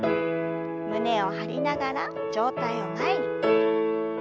胸を張りながら上体を前に。